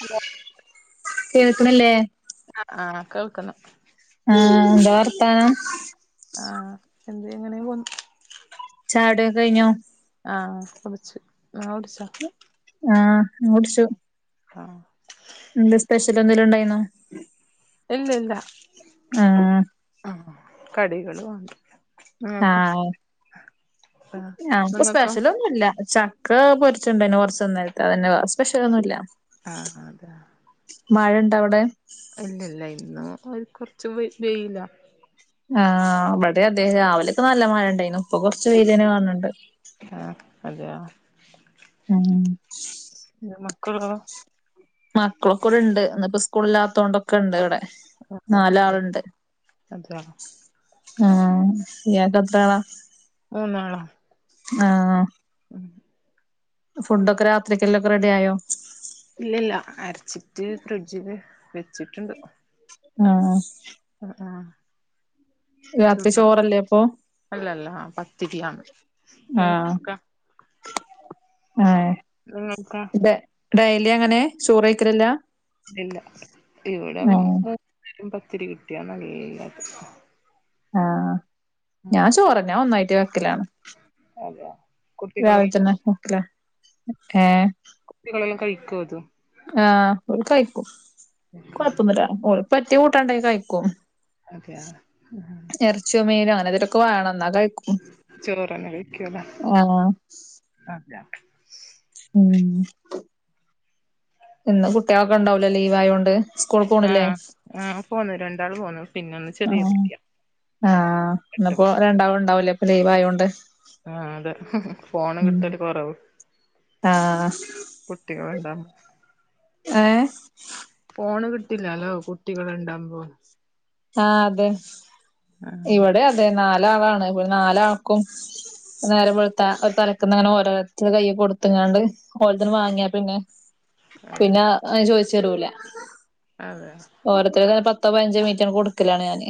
Hello കേൾക്ക്ണ്ല്ലേ ആഹ് കേൾക്കുന്നുണ്ട് ആഹ്, എന്താ വർത്താനം ആഹ് എന്ത് അങ്ങനെ പോണു ചായുടി ഒക്കെ കഴിഞ്ഞോ ആ കുടിച്ചു, നിങ്ങ കുടിച്ചാ ആഹ് ന്നുട്ച്ചു ആഹ് ഇന്ന് സ്പെഷ്യല് എന്തെലും ഉണ്ടായിന്നോ ഇല്ല ഇല്ല ആഹ് അഹ് കടികള് വാങ് ആഹ് ആഹ് ഞങ്ക്ക് നിങ്ങക്കോ സ്പെഷ്യലൊന്നുല്ല ചാ ക്ക പൊരിച്ചുണ്ടായിന് കൊറച്ചിന്നലത്തെ പിന്നെ സ്പെഷ്യല് ഒന്നുല്ല ആഹ് അതാ മഴ ഇണ്ട അവിടെ ഇല്ല ഇല്ല ഇന്ന് ഒര് കൊറച്ച് വെയിലാ ഹാ അവിടെ അതേ രാവിലൊക്കെ നല്ല മഴ ഇണ്ടായിന്നു ഇപ്പൊ കൊറച്ച് വെയിലന്യ കാണണ്ട് [unintelligible] ഉം [unintelligible] മക്കളോ മക്കളൊക്കെവ്ടുണ്ട് ഇന്നിപ്പ സ്കൂളിലാത്തൊണ്ടൊക്കെ ഇണ്ട് ഇവിടെ ആഹ് അതെ നാലാളിണ്ട് അതെയോ ആഹ് ഇയാക് എത്ര ആളാ മൂന്നാളാ ആഹ് [unintelligible] ഫുഡൊക്കെ രാത്രിക്കല്ലൊക്കെ റെഡി ആയോ ഇല്ലല്ല അര്ച്ച്ട്ട് ഫ്രിഡ്ജില് വെച്ച്ട്ട്ണ്ട് നോ [unintelligible] അഹ് ആഹ് രാത്രി ചോറല്ലേ അപ്പൊ അല്ല ല്ല പത്തിരിയാണ് നിങ്ങ കാ ഏഹ് നിങ്ങൾക്കോ ഇന്റെ ഡയലി അങ്ങനെ ചോറ്കഴിക്കലില്ല ഇല്ല ഇവിടെ മൂ [inaudible] പത്തിരി കിട്ടിയ നല്ലത് ആഹ് ഞാൻ ചോറാ ഞാൻ ഒന്നായിട്ട് വെക്കലാണ് അതെയ കുട്ടികള രാവിൽതന്നെ [unintelligible] ലെ ഏഹ് കുട്ടികളെല്ലാം കഴിക്കൊ ഇത് ആഹ് ഓര് കഴ്ക്കും കൊഴപ്പൊന്നുല്ല ഓര്ക്ക് പറ്റിയ കൂട്ടാൻണ്ടെങ്കി കഴ്കും അതെയ എറച്ചിയോ മീനോ അങ്ങനെന്തേലൊക്കെ വേണം എന്നാ കഴിക്കും ചോറന്നെ വെക്കോലെ ആ [unintelligible] ഉം ഇന്ന് കുട്ടിയാളൊക്കെ ഇണ്ടാവൂലെ ലീവ് ആയോണ്ട് സ്കൂൾ പോണില്ലേ ആഹ്- ആഹ് പോന്നു രണ്ടാള് പോന്നു പിന്നെ ഒന്ന് ചെറിയ ആഹ് കുട്ടിയ ആഹ് എട്ട് ഇന്നിപ്പോ മാസം രണ്ടാളും ഉണ്ടാവൂലേ അപ്പൊ ലീവായൊണ്ട് ആഹ് അതെ ഫോണ് കിട്ടല് കൊറവ് ആ കുട്ടികള്ണ്ടാന്നു ഏ ഫോണ് കിട്ടില്ലാലോ കുട്ടികളിണ്ടാവുമ്പോ ആഹ് അതെ ആഹ് ഇവിടെ അതെ നാലാളാണ് ഓല് നാലാക്കും നേരം വെളത്താ തലക്കന്നങ്ങനെ ഓരോരുത്തര്ടെ കയി കൊടുത്തങ്ങാണ്ട് ഒരത്തന് വാങ്ങിയേ പിന്നെ അതെ പിന്നെ ചോയിച്ചരൂല അതെ ഓരോത്തര പത്തോ പാഞ്ചോ മിനിറ്റ് കൊടുക്കലാണ് ഞാന്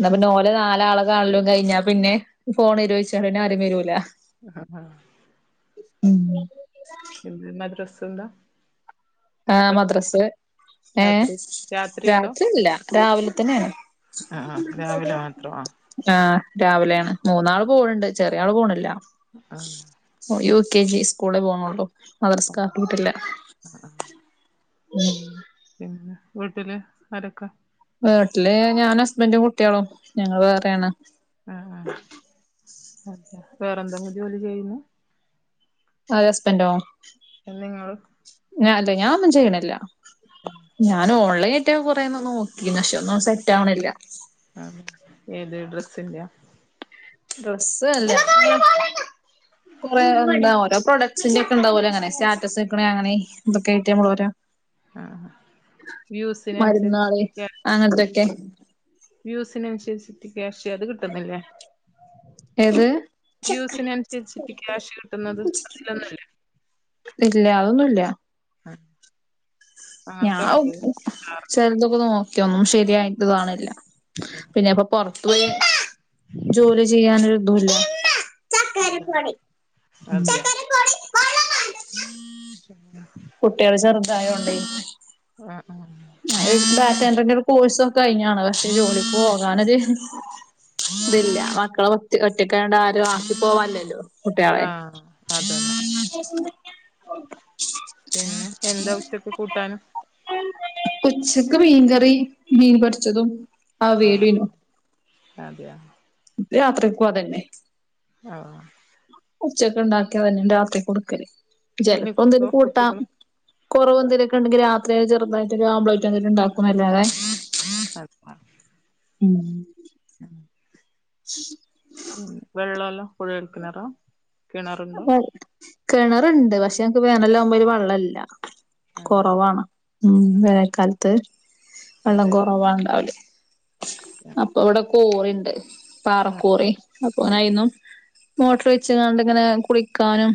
ന്നാ പിന്നെ ഓര് നാലാള കാൺലും കഴിഞ്ഞാ പിന്നെ ഫോണോരിച്ചാണ്ട് പിന്നെ ആരും വരൂല [unintelligible] ഉം ഇന്ന് മദ്രസ് ഇണ്ടാ ആഹ് മദ്രസ് ഏഹ് രാത്രി രാത്രിയുണ്ടോ രാത്രില്ല രാവിലെ തന്നെയാണ് അഹ് ആഹ് രാവിലെ മാത്രോ അഹ് ആഹ് രാവിലെ മൂന്നാള് പോവ്ണ്ട്, ചെറിയാള് പോവ്ണില്ല. ആഹ് ഓൻ യു കെ ജി സ്കൂൾ പോകുന്നൊള്ളു ആഹ് മദ്രസ്ക്കാക്കിട്ടില്ല [unintelligible] [unintelligible] പിന്നെ വീട്ടില് ആരൊക്കെ? വീട്ടില് ഞാനും ഹസ്ബെന്റും കുട്ടിയാളും, ഞങ്ങള് വേറെയാണ്. ആഹ് ആഹ് വേറെന്തെലും ജോലി ചെയ്യുന്നു? ആര് ഹസ്ബന്റോ നിങ്ങള് ഞ അല്ല ഞാൻ ഒന്നും ചെയ്യ്ണില്ല. ഞാന് ഓൺലൈൻആയിട്ട് കൊറേ നോക്കീനിം പക്ഷെ ഒന്നും സെറ്റാവ്ണില്ല. ആഹ് ഏത് ഡ്രസ്സിന്റെയ? ഡ്രസ്സ്‌ അല്ല പ്പങ്ങൾ എന്താ ഓരോപ്രൊഡക്സിന്റെ ഒക്കെ ഇണ്ടാവോലോ ഇങ്ങനെ സ്റ്റാറ്റസ് വെക്ക്ണേ അങ്ങനെ ഇതൊക്കെയായിട്ട് നമ്മൾഓരോ ആഹ് മരുന്നാള് വ്യൂസിനനുസരിച്ചിട്ട് അങ്ങൻതൊക്കെ. വ്യൂവ്സ്ന് അനുസരിച്ചിട്ട് ക്യാഷ് അത് കിട്ടുന്നില്ലേ? ഏത് വ്യൂവ്സ്ന് അനുസരിച്ചിട്ട് ക്യാഷ് കിട്ടുന്നത് അതിലൊന്നല്ല. ഇല്ല അതൊന്നുല്ല. ആഹ് ഞാന് ഉം പ അതെ ചെൽതൊക്കെ നോക്കി അതൊന്നും ശെരിയായിട്ട് കാണ് നി ല്ല. [unintelligible] പിന്നെ പ്പൊ പൊർത്തുപോയി ജോലി ചെയ്യാനൊരുതൂല്ല. ചക്കര പൊടി, അതെയ ചക്കര പൊടി [inaudible] കുട്ടികള് ചെറുതായോണ്ടെ ആഹ് ആഹ് ഈ ഡാറ്റാ എൻട്രിന്റെ ഒര് കോഴ്സ് ഒക്കെ കഴിഞ്ഞതാണ് പക്ഷേ ജോലിക്ക് പോകാനൊര് തില്ല മക്കള് ഒറ്റക്കായോണ്ട് ആരും ആക്കി പോവാനില്ലല്ലോ. കുട്ടിയാളെ ആഹ് അതന്നെ പിന്നെ എന്താ ഉച്ചക്ക് കൂട്ടാന് ഉച്ചക്ക് മീൻകറി മീൻപൊരിച്ചതും അവീയലും അയിനു അതെയോ യാത്രക്കു അതെന്നെ ആഹ് ഉച്ചക്ക് ഉണ്ടാക്കിയതെന്നെ രാത്രി കൊടുക്കല് മീന് ചിലപ്പോ കിട്ടോ എന്തേലും കൂട്ടാൻ കുട്ടികള് കൊറവ് എന്തേലൊക്കെ ഇണ്ടെങ്കിൽ രാത്രി ചെറുതായിട്ട് ഒരു ഓംലറ്റ് എന്തേലും ഇണ്ടാക്കും എന്നല്ലാതെ. [unintelligible] ഉം ഉം ശ് ഉം വെള്ളെല്ലാം കുഴൽകിണറാ? അത് കിണർ ഇണ്ട് പക്ഷെ ഞങ്ങക്ക്‌ വേനലാകുമ്പോ വെള്ളം ഇല്ലാ അതെ കൊറവാണ് ഉം വേനൽക്കാലത്ത്. വെള്ളം അതെ കുറവാ ഇണ്ടാവല് അപ്പൊ ഇവടെ കോറിണ്ട് പാറക്കോറി അപ്പൊങ്ങനെ അയ്ന്നും. മോട്ടർവെച്ച്ക്കാണ്ട്ങ്ങനെ കുളിക്കാനും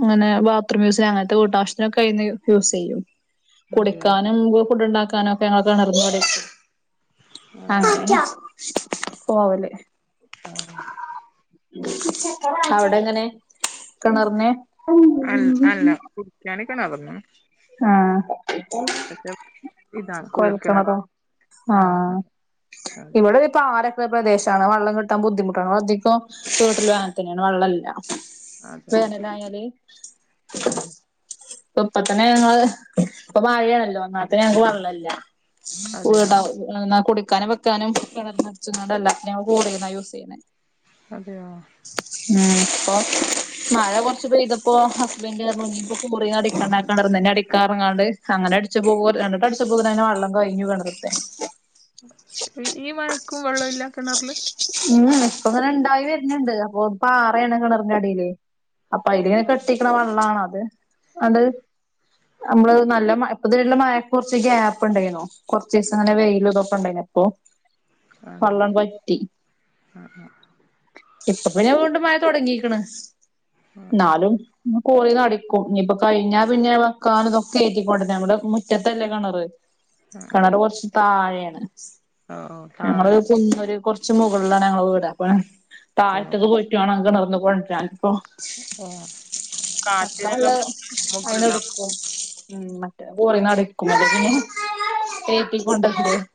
ഇങ്ങനാ ബാത്റൂംയൂസ് ചെയ്യാനും അങ്ങനത്തെ വീട്ട് ആശ്യത്തിനൊക്കെ യൂസ് ചെയ്യും അതെയോ കുടിക്കാനും ഫുഡ് ഉണ്ടാക്കാനും ഒക്കെ ഞങ്ങൾ കെണർന്ന് അടിക് അതെ ആഹ് പോവല് ആഹ് അവിടെങ്ങനെ? കെണർനേ ഞാൻ നി കിണറിന്നും ആഹ് ഇതാണ് കോഴൽ കുഴൽ കിണറാ കിണറോ ആഹ് അതെ ഇവിടെ പ ആരൊക്കെ പ്രദേശാണ് വള്ളം കിട്ടാൻ ബുദ്ധിമുട്ടാണ് അതിപ്പോ വീട്ടിലും അങ്ങനെ തന്നെയാണ് വള്ളം ഇല്ല. അതെ വേനൽ ആയാല് അതെ ഇപ്പ തന്നെ ഞങ്ങള് ഇപ്പൊ മഴയാണല്ലോ ഒന്നാത്തെ ഞങ്ങക്ക് വള്ളം ഇല്ല അതെയോ [unintelligible] കുടിക്കാനും വെക്കാനും കെണറ്റിൽ നിന്നും അടിച്ചു കൊണ്ട് അല്ല ഞങ്ങള് റോഡിൽനിന്ന യൂസ് ചെയ്യുന്നേ അതെയോ ഉം അപ്പോ മഴ കുറച്ച് പയ്യതപ്പോ ഹസ്ബൻഡ് പറഞ്ഞു മുറിലങ്ങാണ്ട് നിപ്പണ്ടായിരിന്നു. അങ്ങനെ അടിക്കാന് ഇറങ്ങാണ്ട് അങ്ങനെ അടിച്ചു പ്പോ എന്നിട്ട് രണ്ട് വട്ടം അടിച്ചപ്പളക്കും വള്ളം കഴിഞ്ഞു കേണർലത്തെ ഈ മഴക്കും വെള്ളം ഇല്ല കിണറില് ഉം ഇപ്പങ്ങനെ ഇണ്ടായി വരുന്നുണ്ട് അപ്പൊ പാറയാണ് കിണറിന്റെ അടിയില് അപ്പ ഇതിങ്ങനെ കെട്ടിക്കണ വള്ളാണ് അത് അത് നമ്മള് നല്ല മഴ ഇപ്പ തന്നെ ഒള്ള മഴക്ക് കുറച്ച് ഗ്യാപ്പ് ഉണ്ടായിരുന്നു കൊറച്ച് ദിവസം അങ്ങനെ വെയില് ഇതൊക്ക ഉണ്ടായിരുന്നു അപ്പോ ആഹ് ആഹ് ആഹ് ഇപ്പൊ പിന്നെ വീണ്ടും മഴ തോടങ്ങീക്കണ് എന്നാലും ഇനീ കോറി നിറക്കും ഇനിയിപ്പ കഴിഞ്ഞ പിന്നെ വെക്കാൻ ഇതൊക്കെ കേറ്റിക്കോട്ടെ നമ്മുടെ മുറ്റത്തല്ലേ കിണറ് ആഹ് കിണർ കുറച്ച് താഴെണ് ഓഹ് ഞങ്ങള് താഴ്ചേലാ ഒരു കൊ ച്ച് മുകളിലാണ് ഞങ്ങളുടെ വീട് അപ്പ ഓഹ് താഴത്തെക്ക് പോയിട്ടുവേണം അങ്ങ് നടന്നു കൊണ്ടുവരാൻ അപ്പോ ഓഹ് കാറ്റിനുള്ള മക്കളെല്ലാം പ്രശ്നം മുകളിലാ എയിനോടുകും ഉം ഞൻ കൊറെ നടക്കും അപ്പൊ പിന്നെ [unintelligible]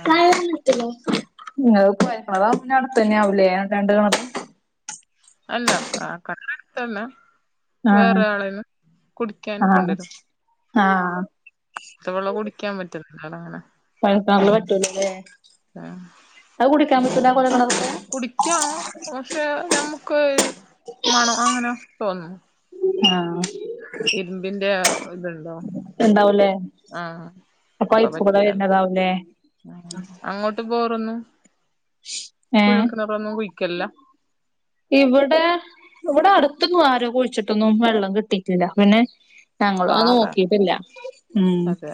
ആഹ് [unintelligible] ഇങ്ങളെ കൊഴൽ കിണറാവുമ്പോ പിന്നെ അടുത്തന്നെ ആവൂല്ലേ രണ്ട് കെണറും അല്ല ആഹ് അത്ര അടുത്തല്ല ആഹ് വേറെ ആളേന്ന് കുടിക്കാൻ ആഹ് കൊണ്ടുവരും ആഹ് ത്ത വെള്ളം കുടിക്കാൻ പറ്റും അതാണ് അങ്ങനെ പഴക്കാവുള്ള പറ്റൂലല്ലേ അത് കുടിക്കാൻ പറ്റുലാ ആഹ് കൊഴൽ കിണറിൽതെ കുടിക്കാം പക്ഷെ നമ്മക്ക് മണം അങ്ങനെ തോന്നും ആഹ് ഇരുമ്പിന്റെ ഇത്ണ്ടോ ഇണ്ടാവൂലേ ആഹ് ആ അപ്പ പൈപ്പ് കൂടെ പറ്റില്ലല്ലേ വരുന്നതാവൂലേ അങ്ങോ ബോറന്ന് കുഴൽ ഏഹ് കിണറൊന്നും കുഴിക്കില്ല ഇവിടെ ഇവിടെ അടുത്തൊന്നും ആരും കുഴിച്ചിട്ടൊന്നും വെള്ളം കിട്ടിയിട്ടില്ല പിന്നെ ഞങ്ങളും അത് പാറ നോക്കിട്ടില്ല ഉം അതെ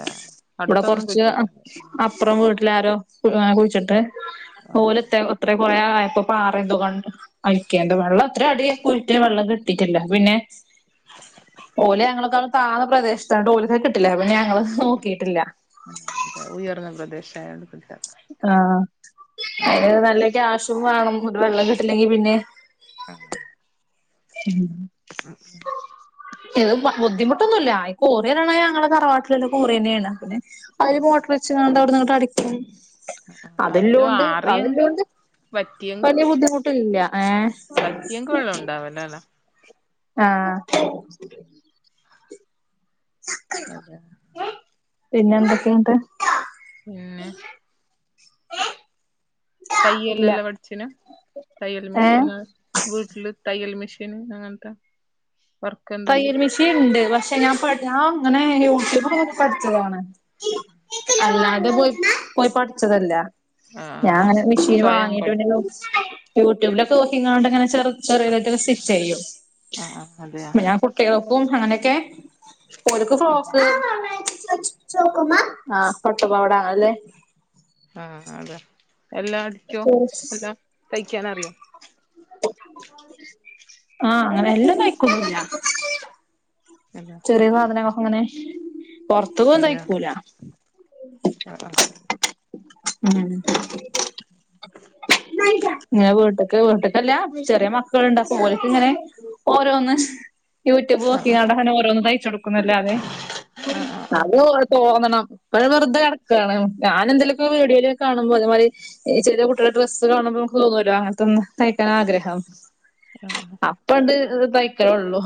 ഇവിടെ അടുത്തൊന്നും കൊറച്ച് കുഴിച്ചിട്ടില്ല അപ്പറം വീട്ടിലാരോ കുഴിച്ചിട്ടെ ആ ഓലത്തെ അത്ര കൊറേ ആയപ്പോ പാറ ന്തോ കണ്ട് അയിക്കേണ്ട വെള്ളം അത്ര അടിക്ക് കുയ്യച്ച് വെള്ളം കിട്ടിട്ടില്ല പിന്നെ ഓല് ഞങ്ങളെ കാളും താന്ന പ്രദേശത്ത ഓലിക്ക് കിട്ടില്ല പിന്നെ ഞങ്ങള് നോക്കിയിട്ടില്ല ആഹ് അതെ ഉയർന്ന പ്രദേശായോണ്ട് ഇല്ല ആഹ് അതിന് നല്ല കാശും വാണം ന്നിട്ട് വെള്ളം കിട്ടില്ലെങ്കിൽ പിന്നെ ആഹ് [inaudible] ഇത് ബുദ്ധിമുട്ടൊന്നുല്ല കൊറിയ ആണ് ഞങ്ങടെ തറവാട്ടിലെ കൊറിയ തന്നെണ് പിന്നെ. അതില് മോട്ടർ വെച്ച് കാണ്ട് അവിടുന്ന് ങ്ങോട്ട് അടിക്കും അതിലും അതെല്ലോംണ്ട് ആറിയെങ്ക് അതെല്ലോംണ്ട് വറ്റിയെങ്ക് വലിയ ബുദ്ധിമുട്ടില്ല ഏ വറ്റിയെങ്കി വെള്ളം ഉണ്ടാവല്ലോല്ലേ ആഹ് അതെ പിന്നെ എന്തൊക്കെ ന്ന്ട്ട് ഞാ ഏഹ് തയ്യൽ എല്ലാം പടിച്ചീന്നോ തയ്യൽ ഏഹ് മെഷീനാ വീട്ടില് തയ്യൽ മെഷീൻ അങ്ങനത്തെ വർക്ക് എന്തെങ്കും തയ്യൽ മിഷീൻ ഇണ്ട് പക്ഷെ ഞാൻ പ ഞൻ ഇങ്ങനെ യൂട്യൂബ് നോക്കി പഠിച്ചതാണ്. അല്ലാതെ പോയി പോയി പഠിച്ചതല്ല ആ ആ ഞാൻ ഇങ്ങനെ മെഷീൻ സ്വയം വാങ്ങീട്ട് പിന്നെ പഠിച്ചു യൂട്യൂബിലൊക്കെ നോക്കീങ്കാണ്ട് ങ്ങെനെ ചെറു ചെറേതായിട്ടൊക്കെ സ്റ്റിച്ച് ചെയ്യും ആഹ് ആഹ് അതെയ ട്ടികൾക്കും അങ്ങനെയൊക്കെ ഓൽക്ക് അതെ ഫ്രോക്ക് ആഹ് പട്ട് പാവാട അങ്ങനെല്ലെ ആഹ് അതെ എല്ലാം അടിക്കോ എല്ലാം തയ്ക്കാൻ അറിയോ ആഹ് അങ്ങനെ എല്ലാം തയ്ക്കൊന്നൂല്ല അല്ല ന്റെ ന്ന് പറഞ്ഞാ നമുക്കിങ്ങനെ പുറത്ത്ക്കൊന്നും തയ്ക്കൂല. അ ആഹ് ഉം ഞാ വീട്ടിക്ക് പോട്ടെ അല്ല ചെറിയ മക്കളുണ്ട് അപ്പൊ ഓല്ക്ക് ഇങ്ങനെ ഓരോന്ന് യൂട്യൂബ് ആ നോക്കിങ്കാണ്ട് ആ അങ്ങനെ ഓരോന്ന് തയ്ച്ചൊടുക്കുന്നല്ലാതെ അത് തോന്നണം പ്പോ ഞാൻ വെറുതെ കടക്കാണ് ഞാൻ എന്തെലൊക്കെ വീഡിയോയിൽക്കെ കാണുമ്പോ അതേമാരി ചെറിയ കുട്ട് ഡ്രസ്സ് കാണുമ്പൊ നമക്ക്കോല്ലോ ആഹ് അങ്ങനത്തെ ഒന്ന് തയ്ക്കാൻ ആഗ്രഹം ആഹ് ആഹ് അപ്പ ഇണ്ട് തൈക്കലൊള്ളൂ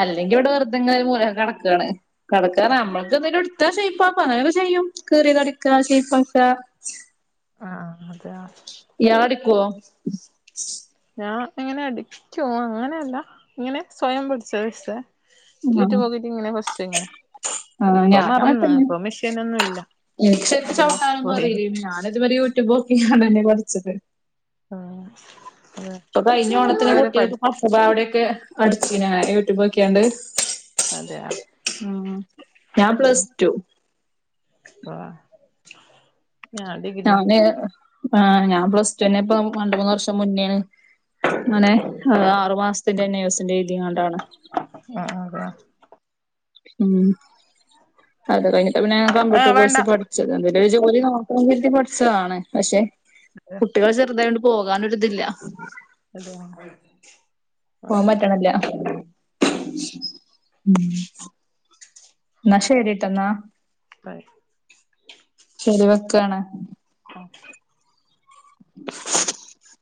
അല്ലെങ്കി ഇവിടെ വെറുതെങ്ങനെ ഒരു മൂലെക്കെ കിടക്കാണ് കടക്കാറഞ്ഞ നമ്മൾക്ക് എന്തേലും എടുത്താ ശൈപ്പാക്കും അങ്ങെനൊക്കെ ചെയ്യും കീറ്യേത് അടിക്കാ ശൈപ്പാക്ക ആഹ് ആഹ് അത് ആ ഇയാളടിക്കോ ഞാൻ ഇങ്ങനെ അടിക്കു അങ്ങനെയല്ല ഇങ്ങനെ സ്വയം പടിച്ചത് വെച്ച് ആഹ് യൂട്യൂബ് നോക്കിട്ട് ഇങ്ങനെ ഫസ്റ്റ് ഇങ്ങനെ ആഹ് ഇപ്പൊ മറന്നു ഇപ്പൊ മെഷീനൊന്നും ഇല്ല ഇച്ച് പിന്നെ അതിലോ ചൗട്ടാനൊന്നും പോയി അറിയില്ലയ്നു ഞാന് ഇതുവരെ യൂട്യൂബ് നോക്കീങ്കാണ്ടന്നെ പഠിച്ചത് ആഹ് അതാ ഇപ്പൊ കഴിഞ്ഞ ഓണത്തിന് കുട്ട്യാൾക്ക് പട്ട് പാവാടെൊക്കെ അടിച്ചീനു ഞാന് യൂട്യൂബ് നോക്കിയാണ്ട് അതെ ആഹ് ഉം. ഞാൻ പ്ലസ് ടു പ്പാ [unintelligible] ഞാന് ആഹ് ഞാൻ പ്ലസ് റ്റൊന്നെ ഇപ്പ രണ്ട് മൂന്ന് വർഷം മുന്നേണ് ങ്ങനെ അഅ് ആറു മാസത്തിന്റെ എൻ എ എസ് യു ന്റെ എയ്തിങ്ങാണ്ടാണ് ആഹ് അതെയാ ഉം അത് കഴിഞ്ഞിട്ട് പിന്നെ ഞാൻ കമ്പ്യൂട്ടർ ആഹ് വേണ്ട കോഴ്സ് പഠി എന്തേലും ഒരു ജോലി നോക്കണം കരുതി പഠിച്ചതാണ് പക്ഷെ [inaudible] കുട്ട്യാള് ചെറുതായോണ്ട് പോകാനൊരിതില്ല അതെയാ പോവാൻ പറ്റണല്ല ഉം ആഹ് ന്നാ ശരിട്ടന്നാ ബൈ ശരി വെക്കാണ് ആഹ് [inaudible]